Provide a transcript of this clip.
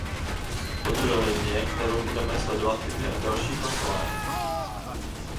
Toto je linie, kterou budeme sledovat i během dalších hlasování.